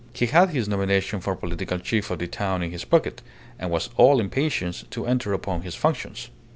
He had his nomination for Political Chief of the town in his pocket, and was all impatience to enter upon his functions.